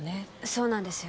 そうなんですよ。